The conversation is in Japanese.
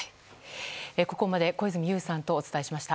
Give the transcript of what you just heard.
ここまで小泉悠さんとお伝えしました。